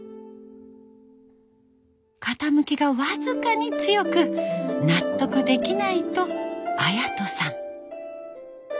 傾きが僅かに強く納得できないと礼人さん。